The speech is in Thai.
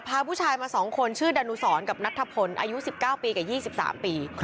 พาผู้ชายมา๒คนชื่อดานุสรกับนัทธพลอายุ๑๙ปีกับ๒๓ปี